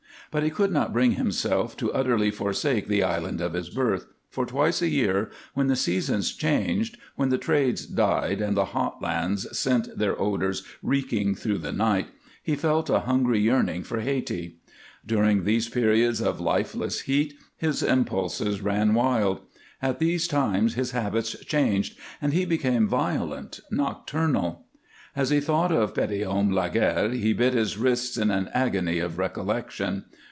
But he could not bring himself to utterly forsake the island of his birth, for twice a year, when the seasons changed, when the trades died and the hot lands sent their odors reeking through the night, he felt a hungry yearning for Hayti. During these periods of lifeless heat his impulses ran wild; at these times his habits changed and he became violent, nocturnal. As he thought of Petithomme Laguerre he bit his wrists in an agony of recollection.